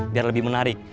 biar lebih menarik